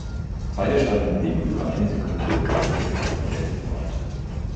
Beide Staffeln blieben über eine Sekunde unter dem alten Weltrekord.